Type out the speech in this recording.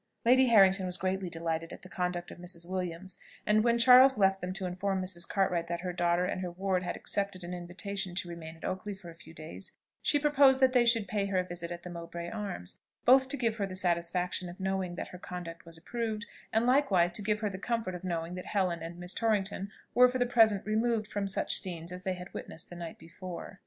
Lady Harrington was greatly delighted at the conduct of Mrs. Williams; and when Charles left them to inform Mrs. Cartwright that her daughter and her ward had accepted an invitation to remain at Oakley for a few days, she proposed that they should pay her a visit at the Mowbray Arms, both to give her the satisfaction of knowing that her conduct was approved, and likewise to give her the comfort of knowing that Helen and Miss Torrington were for the present removed from such scenes as they had witnessed the night before.